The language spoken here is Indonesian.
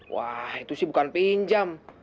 wah itu sih bukan pinjam